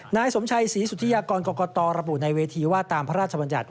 นายสมชัยศรีสุธิยากรกรกตระบุในเวทีว่าตามพระราชบัญญัติ